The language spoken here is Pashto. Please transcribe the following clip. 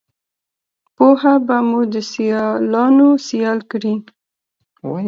پوهه به مو دسیالانوسیال کړي